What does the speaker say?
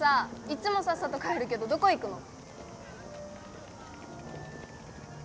いっつもさっさと帰るけどどこ行くの？